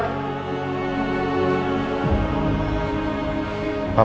papa tidak akan memaksa kamu